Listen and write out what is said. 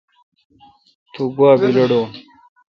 تو گوا بیلڑون۔